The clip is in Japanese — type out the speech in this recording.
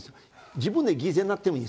自分が犠牲になってもいい。